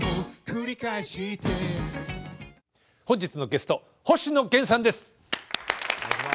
本日のゲスト星野源さんです。